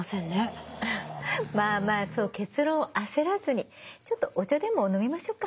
まあまあそう結論を焦らずにちょっとお茶でも飲みましょうか。